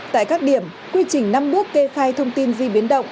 tại các điểm quy trình năm bước kê khai thông tin di biến động